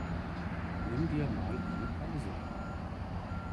Nimm dir mal eine Pause!